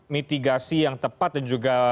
mitigasi yang tepat dan juga